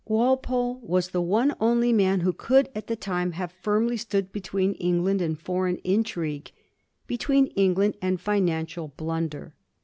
Walpole was the one only man who could at the time have firmly stood between England and foreign intrigue — between England and financial blunder.